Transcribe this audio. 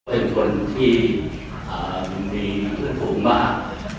เป็นคนที่มีคุณภูมิมาก